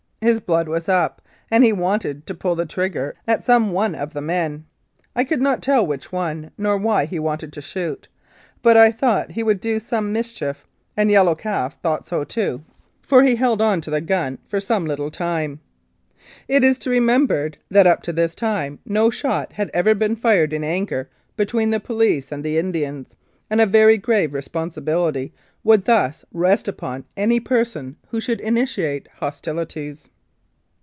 His blood was up, and he wanted to pull the trigger at some one of the men. I could not tell which one, nor why he wanted to shoot, but I thought he would do some mis chief, and Yellow Calf thought so, too, for he held 147 Mounted Police Life in Canada on to the gun for some little time. It is to be remem bered that up to this time no shot had ever been fired in anger between the police and the Indians, and a very grave responsibility would thus rest upon any person who should initiate hostilities.